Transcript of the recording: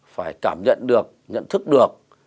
phải cảm nhận được nhận thức được